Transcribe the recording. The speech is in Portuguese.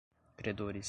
credores